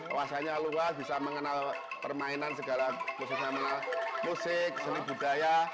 puasanya luas bisa mengenal permainan segala khususnya mengenal musik seni budaya